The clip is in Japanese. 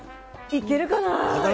いけるかな。